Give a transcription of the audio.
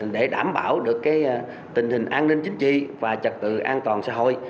để đảm bảo được tình hình an ninh chính trị và trật tự an toàn xã hội